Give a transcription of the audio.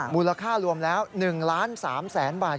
มูลค่ารวมแล้ว๑๓๐๐๐๐๐บาท